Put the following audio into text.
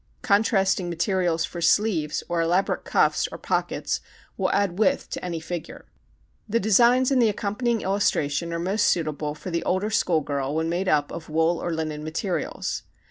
Contrasting materials for sleeves or elaborate cuffs or pockets will add width to any figure. The designs in the accompanying illustration are most suitable for the older school girl when made up of wool or linen materials.